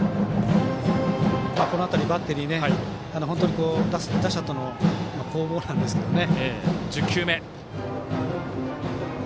この辺り、バッテリー打者との攻防なんですけどね。